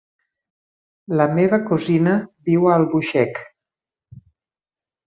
La meva cosina viu a Albuixec.